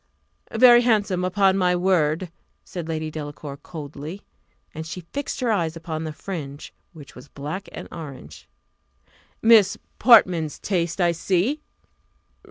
"Very handsome, upon my word!" said Lady Delacour, coldly, and she fixed her eyes upon the fringe, which was black and orange: "Miss Portman's taste, I see!"